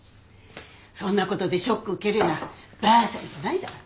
そんなことでショック受けるようなばあさんじゃないんだから。